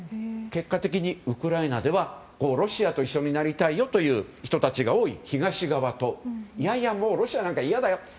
結果的にウクライナではロシアと一緒になりたいよという人たちが多い東側といやいやもうロシアなんか嫌だよ